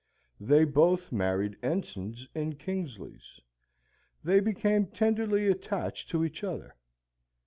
They both married ensigns in Kingsley's. They became tenderly attached to each other.